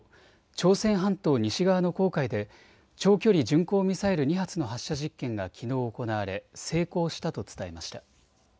朝鮮半島西側の黄海で長距離巡航ミサイル２発の発射実験がきのう行われ成功したと伝えました。